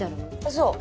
そう。